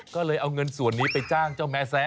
ก็เลยเอาเงินส่วนนี้ไปจ้างเจ้าแม่แซะ